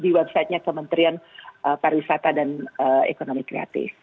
di websitenya kementerian pariwisata dan ekonomi kreatif